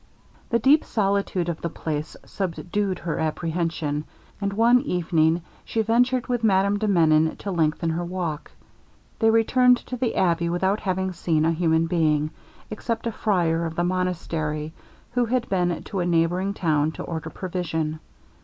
The deep solitude of the place subdued her apprehension, and one evening she ventured with Madame de Menon to lengthen her walk. They returned to the abbey without having seen a human being, except a friar of the monastery, who had been to a neighbouring town to order provision.